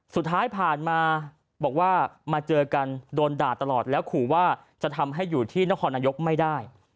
สุดท้ายผ่านมาบอกว่ามาเจอกันโดนด่าตลอดแล้วขู่ว่าจะทำให้อยู่ที่นครนายกไม่ได้